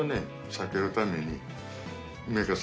避けるために。